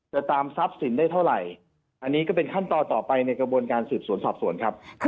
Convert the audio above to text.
ตามทรัพย์สินได้เท่าไหร่อันนี้ก็เป็นขั้นตอนต่อไปในกระบวนการสืบสวนสอบสวนครับ